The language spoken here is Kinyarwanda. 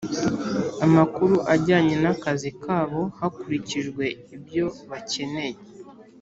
amakuru ajyanye n'akazi kabo hakurikijwe ibyo bakeneye